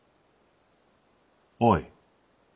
おい！